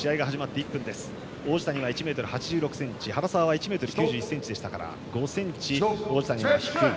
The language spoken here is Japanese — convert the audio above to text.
王子谷は１ｍ８６ｃｍ原沢は１ｍ９１ｃｍでしたから５ｃｍ王子谷の方が低い。